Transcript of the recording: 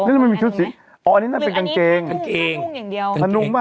นี่มันมีชุดสีอ๋ออันนี้น่ะเป็นกางเกงกางเกงทานุ้งอย่างเดียวทานุ้งป่ะ